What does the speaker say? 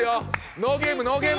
ノーゲームノーゲーム。